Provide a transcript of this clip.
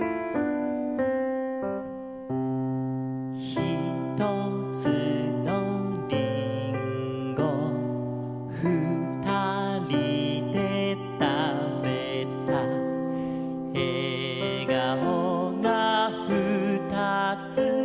「ひとつのリンゴ」「ふたりでたべた」「えがおがふたつ」